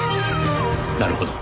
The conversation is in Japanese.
なるほど。